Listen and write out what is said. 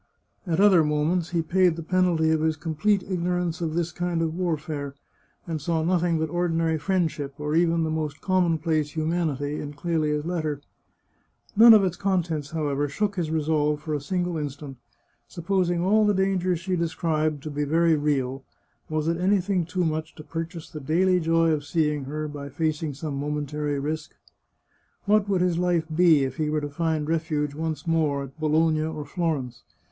At other moments he paid the penalty of his complete ignorance of this kind of warfare, and saw nothing but ordinary friend ship, or even the most commonplace humanity, in Clelia's letter. None of its contents, however, shook his resolve for a single instant. Supposing all the dangers she described to be very real, was it anything too much to purchase the daily joy of seeing her by facing some momentary risk? What would his life be if he were to find refuge, once more, at Bologna or Florence